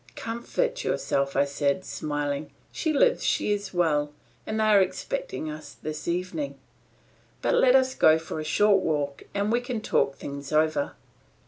"Comfort yourself," said I, smiling, "she lives, she is well, and they are expecting us this evening. But let us go for a short walk and we can talk things over."